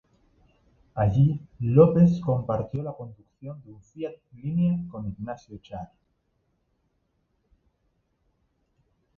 Allí, López compartió la conducción de un Fiat Linea con Ignacio Char.